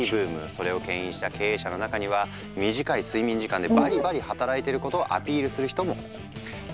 それをけん引した経営者の中には短い睡眠時間でバリバリ働いていることをアピールする人も。